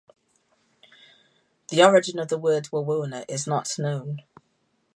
The origin of the word "Wawona" is not known.